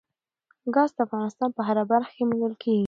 ګاز د افغانستان په هره برخه کې موندل کېږي.